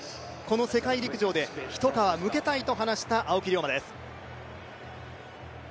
この世界陸上で一皮むけたいと話した青木涼真です。